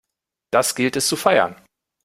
Das gilt es zu feiern!